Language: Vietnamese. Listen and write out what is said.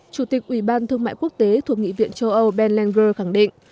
chủ tịch ủy ban thương mại quốc tế thuộc nghị viện châu âu ben lenger khẳng định